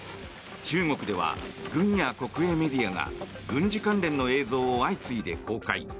中国では、軍や国営メディアが軍事関連の映像を相次いで公開。